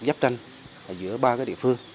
dắp tranh giữa ba cái địa phương